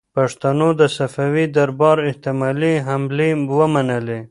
پښتنو د صفوي دربار احتمالي حملې ومنلې.